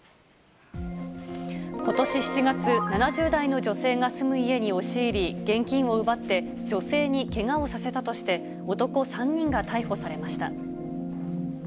ことし７月、７０代の女性が住む家に押し入り、現金を奪って女性にけがをさせたとして、男３人が逮捕されました。